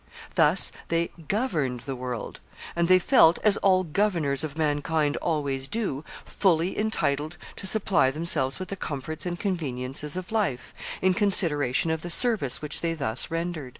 Thus they governed the world, and they felt, as all governors of mankind always do, fully entitled to supply themselves with the comforts and conveniences of life, in consideration of the service which they thus rendered.